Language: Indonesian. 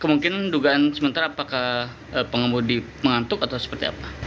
kemungkinan dugaan sementara apakah pengemudi mengantuk atau seperti apa